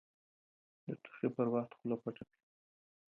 د ټوخي پر وخت خوله پټه کړه